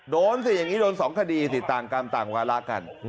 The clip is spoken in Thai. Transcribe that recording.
โดนสิอย่างนี้โดน๒คดีสิต่างกรรมต่างวาระกัน